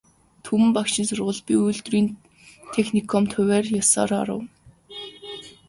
Түмэн багшийн сургуульд, би үйлдвэрийн техникумд хувиар ёсоор оров.